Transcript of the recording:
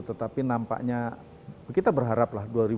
tetapi nampaknya kita berharap lah dua ribu dua puluh akhir ini bisa terkejar